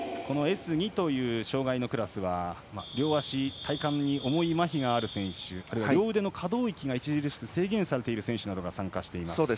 Ｓ２という障がいクラスは両足、体幹に重いまひがある選手あるいは両腕の可動域が著しく制限される選手などが参加しています。